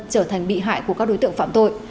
trở thành bị hại của các đối tượng phạm tội